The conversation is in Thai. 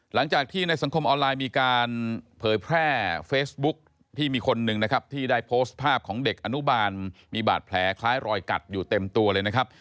หลังจากที่ในสังคมออนไลน์มีการเผยแพร่เฟซบุ๊คที่มีคนหนึ่งนะครับที่ได้โพสต์ภาพของเด็กอนุบาลมีบาดแผลคล้ายรอยกัดอยู่เต็มตัวเลยนะครับ